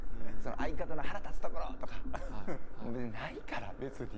相方の腹立つところとかないから別に。